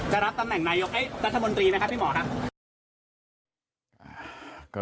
รับตำแหน่งนายกรัฐมนตรีไหมครับพี่หมอครับ